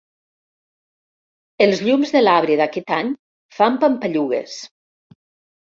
Els llums de l'arbre d'aquest any fan pampallugues.